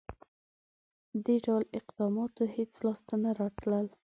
• دې ډول اقداماتو هېڅ لاسته نه راتلل.